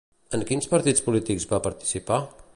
En quins partits polítics va participar?